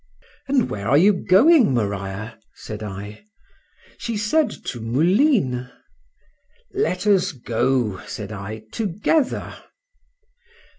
And where are you going, Maria? said I.—She said, to Moulines.—Let us go, said I, together.